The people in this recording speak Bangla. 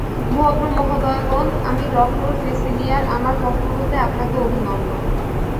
ভদ্র মহোদয়গণ, আমি ডক্টর ফেসিলিয়ার, আমার পক্ষ হতে আপনাকে অভিনন্দন।